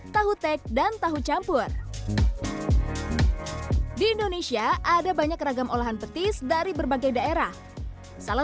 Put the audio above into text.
tahu tek dan tahu campur di indonesia ada banyak ragam olahan petis dari berbagai daerah salah